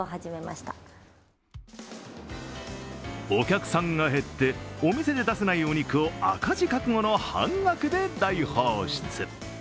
お客さんが減ってお店で出せないお肉を赤字覚悟の半額で大放出。